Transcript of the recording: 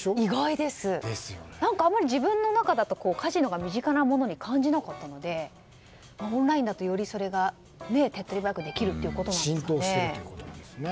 自分の中だとカジノが身近なものに感じなかったのでオンラインだとより手っ取り早くできるということなんですね。